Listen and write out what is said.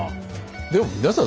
でも皆さん